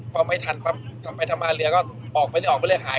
พอไม่ทันปั๊บก็ไปทำมาเรือก็ออกไปเลยออกไปเลยหาย